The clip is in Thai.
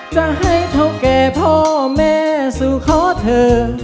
จะให้เท่าแก่พ่อแม่สู่ขอเธอ